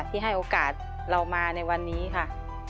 ให้โอกาสเรามาในวันนี้ค่ะ